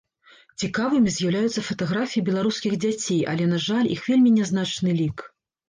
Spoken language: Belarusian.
Цікавымі з'яўляюцца фатаграфіі беларускіх дзяцей, але, на жаль, іх вельмі нязначны лік.